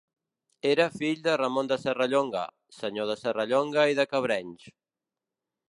Era fill de Ramon de Serrallonga, senyor de Serrallonga i de Cabrenys.